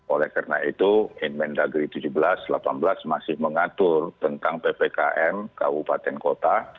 oleh karena itu inmen dagri tujuh belas delapan belas masih mengatur tentang ppkm kabupaten kota